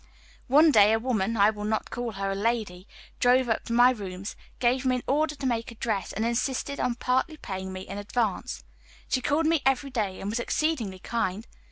One day a woman, I will not call her a lady, drove up to my rooms, gave me an order to make a dress, and insisted on partly paying me in advance. She called on me every day, and was exceedingly kind.